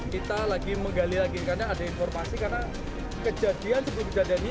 kita lagi menggali lagi karena ada informasi karena kejadian sebelum kejadian ini